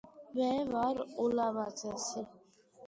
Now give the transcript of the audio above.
მე ვარ ულამაზესი